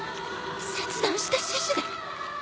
切断した四肢で！？